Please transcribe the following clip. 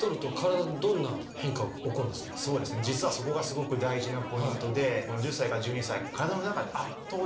実はそこがすごく大事なポイントで。